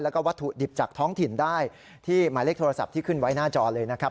แล้วก็วัตถุดิบจากท้องถิ่นได้ที่หมายเลขโทรศัพท์ที่ขึ้นไว้หน้าจอเลยนะครับ